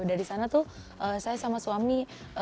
dari sana tuh saya sama suami